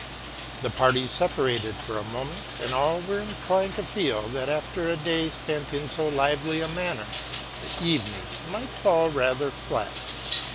The party separated for a moment; and all were inclined to feel, that, after a day spent in so lively a manner, the evening might fall rather flat.